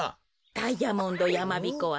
ダイヤモンドやまびこはね